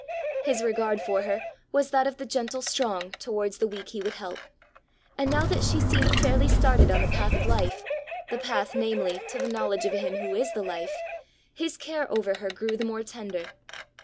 His regard for her was that of the gentle strong towards the weak he would help; and now that she seemed fairly started on the path of life, the path, namely, to the knowledge of him who is the life, his care over her grew the more tender.